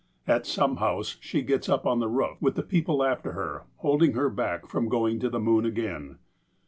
At some house she gets up on the roof, with the people after her, holding her back from going to the moon again.